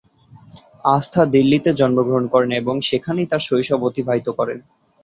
আস্থা দিল্লিতে জন্মগ্রহণ করেন এবং সেখানেই তার শৈশব অতিবাহিত করেন।